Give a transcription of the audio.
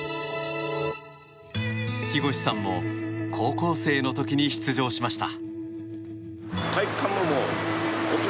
日越さんも高校生の時に出場しました。